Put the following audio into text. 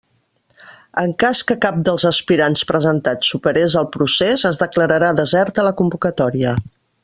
En cas que cap dels aspirants presentats superes el procés es declararà deserta la convocatòria.